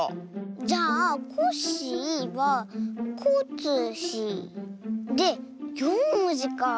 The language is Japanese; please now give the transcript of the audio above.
じゃあ「コッシー」は「コ」「ッ」「シ」「ー」で４もじかあ。